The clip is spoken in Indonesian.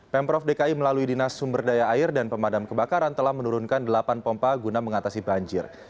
pemprov dki melalui dinas sumber daya air dan pemadam kebakaran telah menurunkan delapan pompa guna mengatasi banjir